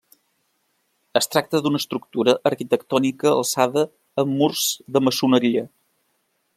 Es tracta d'una estructura arquitectònica alçada amb murs de maçoneria.